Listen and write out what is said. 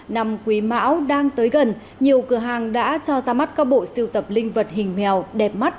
năm quý mão đang tới gần nhiều cửa hàng đã cho ra mắt các bộ siêu tập linh vật hình mèo đẹp mắt